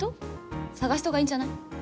探したほうがいいんじゃない？